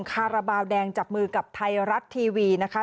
คาราบาลแดงจับมือกับไทยรัฐทีวีนะคะ